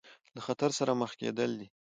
له خطر سره مخ کېدل دي.